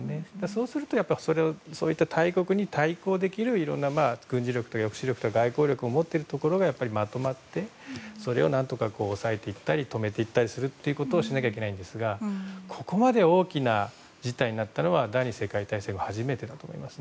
そうするとそういった大国に対抗できるいろんな軍事力や抑止力や外交力を持っている国がやっぱりまとまってそれを何とか抑えていったり止めていったりするということをしなきゃいけないんですがここまで大きな事態になったのは第２次世界大戦後初めてだと思います。